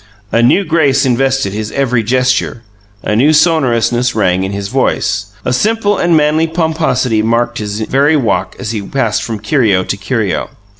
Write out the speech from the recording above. A new grace invested his every gesture; a new sonorousness rang in his voice; a simple and manly pomposity marked his very walk as he passed from curio to curio.